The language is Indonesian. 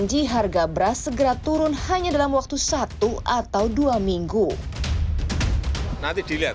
tinggi harga beras segera turun hanya dalam waktu satu atau dua minggu nanti dilihat